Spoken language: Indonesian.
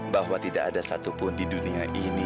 bahwa tidak ada satupun di dunia ini